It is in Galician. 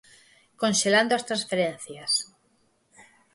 Conxelando as transferencias.